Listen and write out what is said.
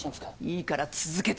いいから続けて。